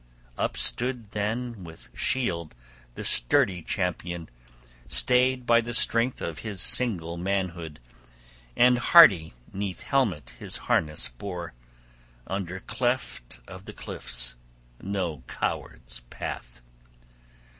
Up stood then with shield the sturdy champion, stayed by the strength of his single manhood, and hardy 'neath helmet his harness bore under cleft of the cliffs: no coward's path!